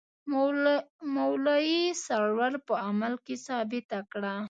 مولوي سرور په عمل کې ثابته کړه.